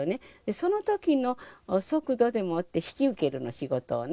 そのときの速度でもって引き受けるの、仕事をね。